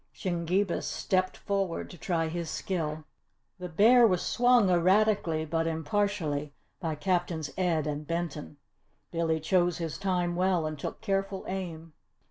Shingebis stepped forward to try his skill. The bear was swung erratically but impartially by Captains Ed and Benton. Billy chose his time well and took careful aim.